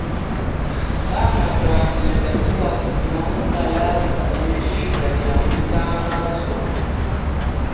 Bana banyi batu ba fuma mukalasa mudiba dia musamba nzolu.